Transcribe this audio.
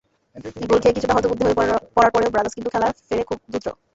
গোল খেয়ে কিছুটা হতবুদ্ধি হয়ে পড়ার পড়েও ব্রাদার্স কিন্তু খেলায় ফেরে খুব দ্রুত।